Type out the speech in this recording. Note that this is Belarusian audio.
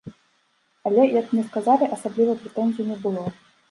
Але, як мне сказалі, асабліва прэтэнзій не было.